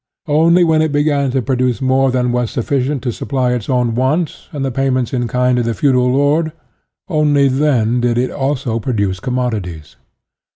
Only when it be gan to produce more than was sufficient to supply its own wants and the payments in kind to the feudal lord, only then did it also produce commodities.